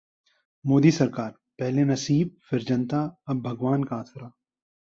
मोदी सरकार: पहले नसीब, फिर जनता और अब भगवान का आसरा